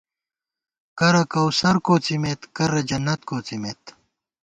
کرہ کوثر کوڅِمېت کرہ جنت کوڅِمېت